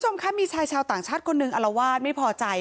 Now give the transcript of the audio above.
คุณผู้ชมคะมีชายชาวต่างชาติคนหนึ่งอลวาดไม่พอใจ